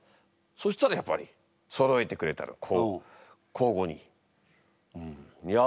そしたらやっぱりそろえてくれたろ口語に。